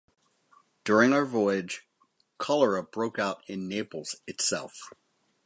During our voyage, cholera broke out in Naples itself.